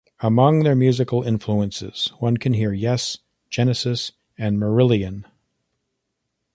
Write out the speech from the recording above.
Among their musical influences one can hear Yes, Genesis and Marillion.